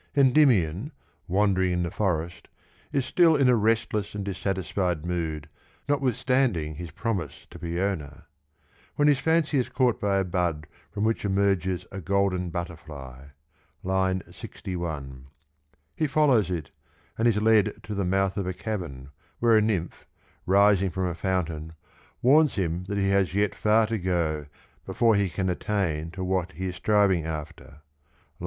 Endymion, wandering in the forest, is still in a restless and dissatisfied mood notwithstanding his promise to Peona, when his fancy is caught by a bud from which emerges a golden butterfly (61). He follows it, and is led to the mouth of a cavern, where a nymph, rising from a fountain, warns him that he has yet far to go before he can attain to what he is striving after (123).